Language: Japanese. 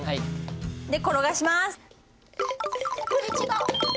で転がします。